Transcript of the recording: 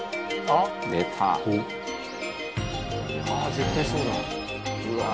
「ああー絶対そうだ」